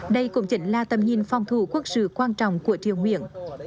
đây cũng chỉ là tầm nhìn phòng thủ quốc sự quan trọng của triều nguyện